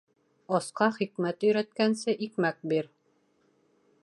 Асҡа хикмәт өйрәткәнсе, икмәк бир.